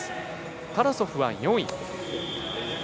タラソフは４位。